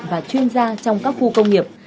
và chuyên gia trong các khu công nghiệp